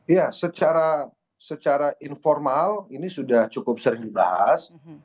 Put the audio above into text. ya secara informal ini sudah cukup sering dibahas